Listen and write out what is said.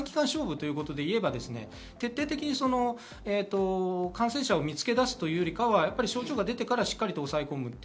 短期間勝負ということでいえば、徹底的に感染者を見つけ出すというよりかは症状が出てからしっかり抑え込む。